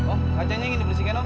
oh kacanya ingin dipersihkan oh